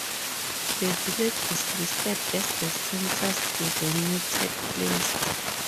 The village is listed as a census-designated place.